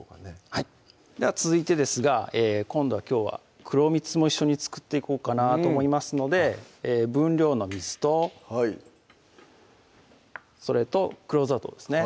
はいでは続いてですが今度はきょうは黒蜜も一緒に作っていこうかなと思いますので分量の水とはいそれと黒砂糖ですね